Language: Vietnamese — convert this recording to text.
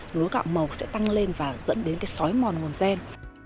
lúa gạo màu sẽ tăng lên và dẫn đến cái xói mòn nguồn gen